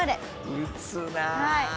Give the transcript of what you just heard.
打つなあ！